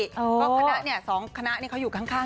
คณะนี้๒คณะอยู่ข้างกัน